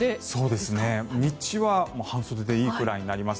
そうですね、日中は半袖でいいぐらいになります。